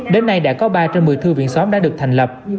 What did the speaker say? đến nay đã có ba trên một mươi thư viện xóm đã được thành lập